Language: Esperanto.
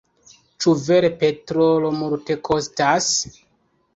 Ĉu vere petrolo multekostas?